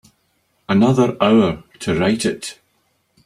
Another hour to write it.